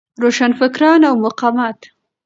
روشنفکران او مقاومت